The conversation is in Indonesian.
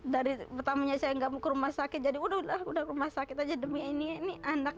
dari pertamanya saya nggak mau ke rumah sakit jadi udah rumah sakit aja demi ini ini anak